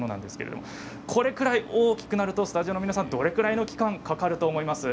これぐらい大きくなるとスタジオの皆さんどれぐらいの期間かかると思いますか。